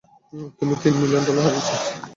তুমি তিন million dollar হারিয়েছো।